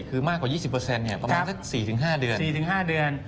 คือมากกว่า๒๐ประมาณ๔๕เดือน